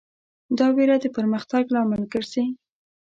دا وېره د پرمختګ لامل ګرځي.